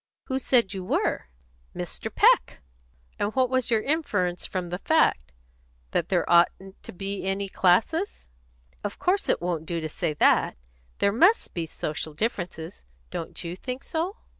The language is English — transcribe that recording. "Who said you were?" "Mr. Peck." "And what was your inference from the fact? That there oughtn't to be any classes?" "Of course it won't do to say that. There must be social differences. Don't you think so?"